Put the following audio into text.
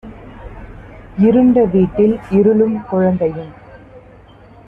இருண்ட வீட்டில் இருளும் குழந்தையும்